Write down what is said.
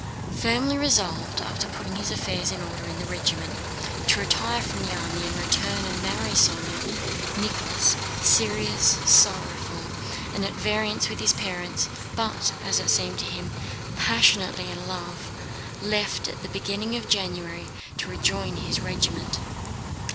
Firmly resolved, after putting his affairs in order in the regiment, to retire from the army and return and marry Sónya, Nicholas, serious, sorrowful, and at variance with his parents, but, as it seemed to him, passionately in love, left at the beginning of January to rejoin his regiment.